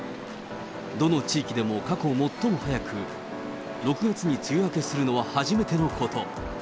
どの地域でも過去最も早く、６月に梅雨明けするのは初めてのこと。